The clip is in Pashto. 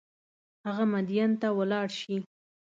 هغه مدین ته ولاړ شي.